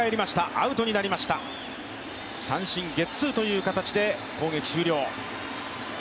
アウトになりました、三振ゲッツーという形で攻撃終了。